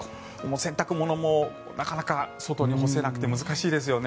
洗濯物もなかなか外に干せなくて難しいですよね。